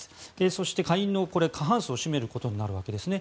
そして、下院の過半数を占めることになるわけですね。